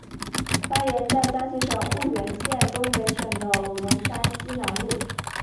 发源在江西省婺源县东北部的五龙山西南麓。